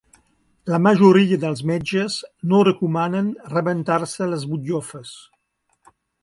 La majoria dels metges no recomanen rebentar-se les butllofes.